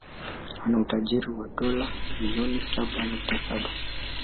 Ana utajiri wa dola bilioni saba nukta saba